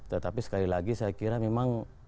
tetapi sekali lagi saya kira memang